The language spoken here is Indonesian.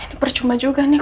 ini percuma juga nih